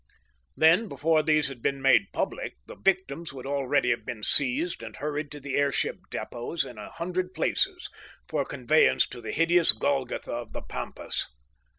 Then, before these had been made public, the victims would already have been seized and hurried to the airship depots in a hundred places, for conveyance to the hideous Golgotha of the pampas.